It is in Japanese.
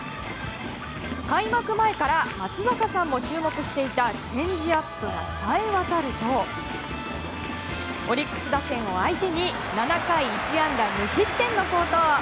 開幕前から松坂さんも注目していたチェンジアップがさえわたるとオリックス打線を相手に７回１安打無失点の好投。